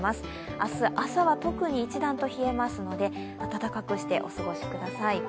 明日朝は特に一段と冷えますので暖かくしてお過ごしください。